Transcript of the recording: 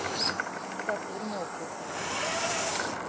Dudaklarımı oku.